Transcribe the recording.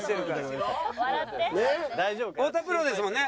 太田プロですもんね？